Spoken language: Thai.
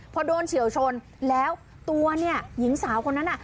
พอโดนเฉียวชนแล้วตัวเนี่ยหญิงสาวคนนั้นน่ะ